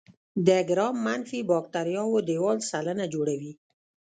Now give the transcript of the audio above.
د ګرام منفي باکتریاوو دیوال سلنه جوړوي.